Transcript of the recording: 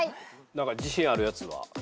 何か自信あるやつは？